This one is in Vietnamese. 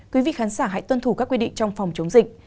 quý vị khán giả hãy tuân thủ các quy định trong phòng chống dịch